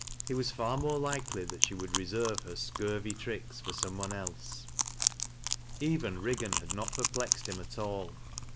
It was far more likely that she would reserve her scurvj tr'cks for some one else. Eyen Higgan had not perplexed him at all.